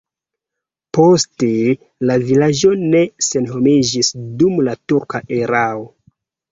Poste la vilaĝo ne senhomiĝis dum la turka erao.